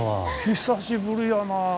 久しぶりやな。